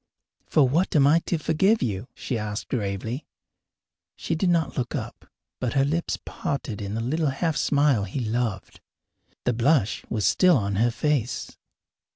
"For what am I to forgive you?" she asked gravely. She did not look up, but her lips parted in the little half smile he loved. The blush was still on her face.